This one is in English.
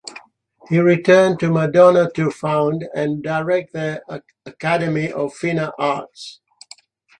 He returned to Modena to found and direct their Academy of Fina Arts.